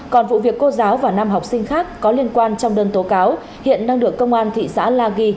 còn vụ việc cô giáo và năm học sinh khác có liên quan trong đơn tố cáo hiện đang được công an thị xã la ghi